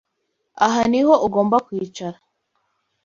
Aha niho ugomba kwicara.